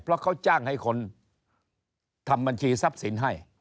เพราะเขาจ้างให้คนทำบัญชีทรัพย์สินให้